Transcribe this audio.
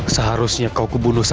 seharusnya kau kebunuh saja